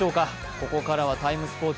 ここからは「ＴＩＭＥ，スポーツ」。